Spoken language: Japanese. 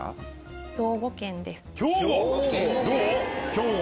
兵庫！